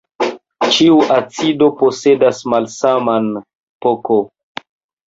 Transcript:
Ĉiu acido posedas malsaman pK.